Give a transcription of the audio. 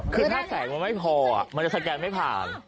คือถ้าแสงมันไม่พอมันจะสแกนไม่ผ่าน